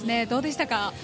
どうでしたか？